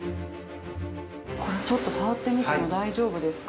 ◆ちょっと触ってみても大丈夫ですか。